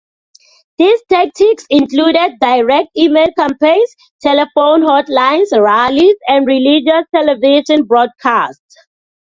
These tactics included direct-mail campaigns, telephone hotlines, rallies, and religious television broadcasts.